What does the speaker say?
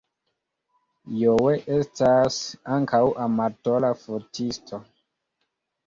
Joe estas ankaŭ amatora fotisto.